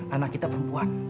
anak kita perempuan